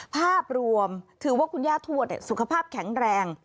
ภาพรวมถือว่าคุณย่าทวดสุขภาพแข็งแรง